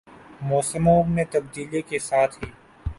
موسموں میں تبدیلی کے ساتھ ہی